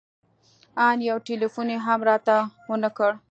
ان يو ټېلفون يې هم راته ونه کړ.